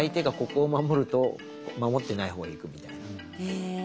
へえ。